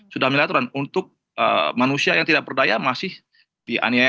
sudah melihat dan untuk manusia yang tidak berdaya masih dianiaya seperti itu nah gitu jadi kalau ada